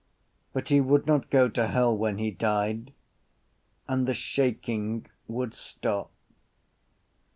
But he would not go to hell when he died; and the shaking would stop.